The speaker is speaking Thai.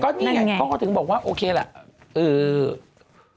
ก็นี่ไงก็เขาถึงบอกว่าโอเคแหละ